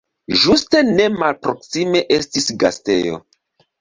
Ĝuste nemalproksime estis gastejo.